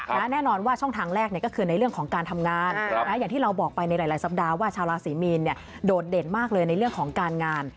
แน่นอนว่าช่องทางแรกก็คือในเรื่องของการทำงานอย่างที่เราบอกไปในหลายสัปดาห์ว่าชาวราศีมีนโดดเด่นมากเลยในเรื่องของการงาน